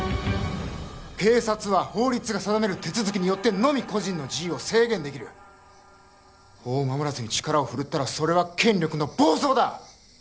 警察は法律が定める手続きによってのみ個人の自由を制限できる法を守らずに力をふるったらそれは権力の暴走だ